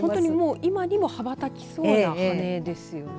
今にも羽ばたきそうな羽ですよね。